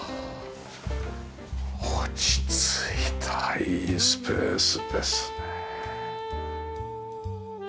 落ち着いたいいスペースですねえ。